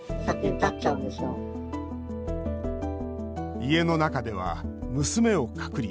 家の中では娘を隔離。